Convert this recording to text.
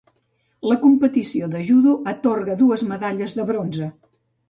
La competició de judo atorga dues medalles de bronze.